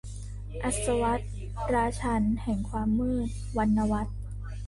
อัสวัด ราชันย์แห่งความมืด - วรรณวรรธน์